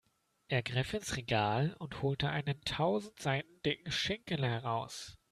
Er griff ins Regal und holte einen tausend Seiten dicken Schinken heraus.